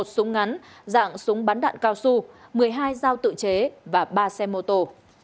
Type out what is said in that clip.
một súng ngắn dạng súng bắn đạn cao su một mươi hai dao tự chế và ba xe mô tô